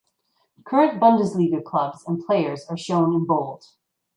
Current Bundesliga clubs and players are shown in bold.